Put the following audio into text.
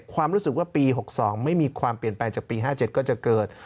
ความรู้สึกว่าปี๖๒ไม่มีความเปลี่ยนแปลงจากปี๕๗ก็จะเกิด